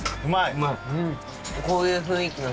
うまい？